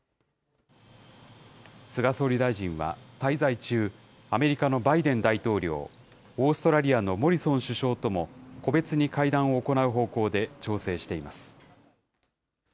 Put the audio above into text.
菅総理大臣は滞在中、アメリカのバイデン大統領、オーストラリアのモリソン首相とも個別に会談を行う方向で調整しています。